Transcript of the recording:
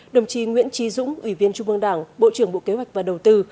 đồng chí nguyễn trí dũng ủy viên trung ương đảng bộ trưởng bộ kế hoạch và đầu tư